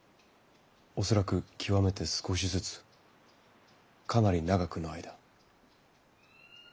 恐らく極めて少しずつかなり長くの間。